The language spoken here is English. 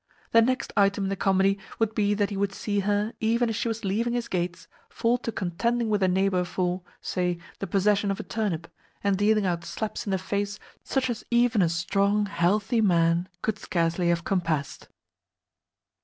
the next item in the comedy would be that he would see her, even as she was leaving his gates, fall to contending with a neighbour for, say, the possession of a turnip, and dealing out slaps in the face such as even a strong, healthy man could scarcely have compassed!